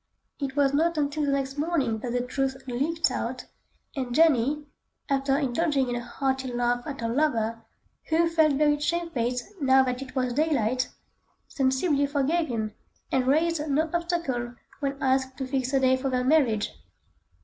It was not until the next morning that the truth leaked out, and Jenny, after indulging in a hearty laugh at her lover, who felt very shamefaced now that it was daylight, sensibly forgave him, and raised no obstacle when asked to fix a day for their marriage.